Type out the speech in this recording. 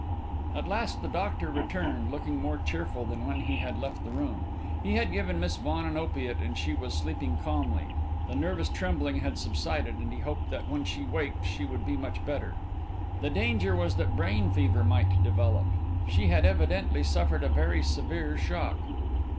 At last the doctor returned, looking more cheerful than when he had left the room. He had given Miss Vaughan an opiate and she was sleeping calmly; the nervous trembling had subsided and he hoped that when she waked she would be much better. The danger was that brain fever might develop; she had evidently suffered a very severe shock.